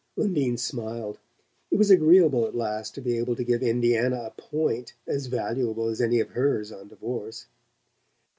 Undine smiled: it was agreeable at last to be able to give Indiana a "point" as valuable as any of hers on divorce.